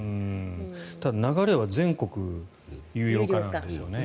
ただ流れは全国、有料化ですよね。